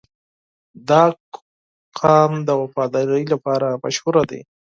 • دا قوم د وفادارۍ لپاره مشهور دی.